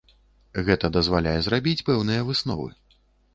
Гэта дазваляе зрабіць пэўныя высновы.